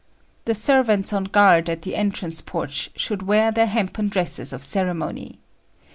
The servants on guard at the entrance porch should wear their hempen dresses of ceremony.